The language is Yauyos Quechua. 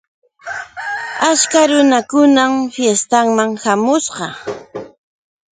Achka runakunam fiestaman hamushqa.